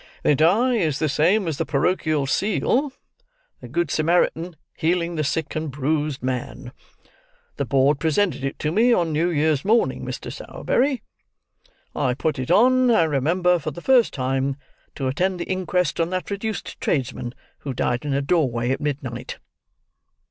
"The die is the same as the porochial seal—the Good Samaritan healing the sick and bruised man. The board presented it to me on Newyear's morning, Mr. Sowerberry. I put it on, I remember, for the first time, to attend the inquest on that reduced tradesman, who died in a doorway at midnight."